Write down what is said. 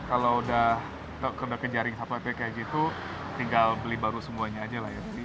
kalau udah terjaring satpol pp kayak gitu tinggal beli baru semuanya aja lah ya